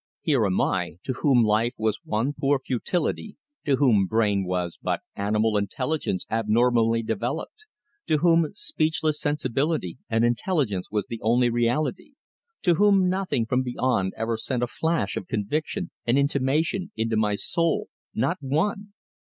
Here am I, to whom life was one poor futility; to whom brain was but animal intelligence abnormally developed; to whom speechless sensibility and intelligence was the only reality; to whom nothing from beyond ever sent a flash of conviction, an intimation, into my soul not one.